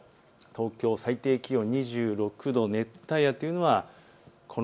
東京、最低気温２６度。